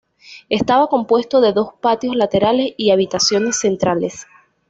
Estaba compuesto de dos patios laterales y habitaciones centrales.